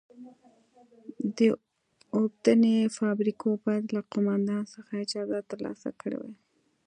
د اوبدنې فابریکو باید له قومندان څخه اجازه ترلاسه کړې وای.